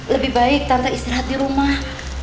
lebih baik tanpa istirahat di rumah